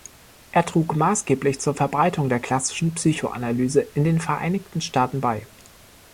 Er trug maßgeblich zur Verbreitung der klassischen Psychoanalyse in den Vereinigten Staaten bei.